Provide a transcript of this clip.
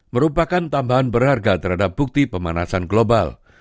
merupakan tambahan berharga terhadap bukti pemanasan global